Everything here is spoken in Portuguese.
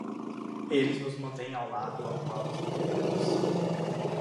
Eles nos mantêm do lado ao qual nos inclinamos.